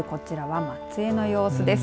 まずこちらは松江の様子です。